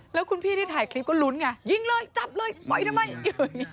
แล้วคุณพี่ที่ถ่ายคลิปก็ลุ้นไงยิงเลยจับเลยปล่อยทำไมอย่างนี้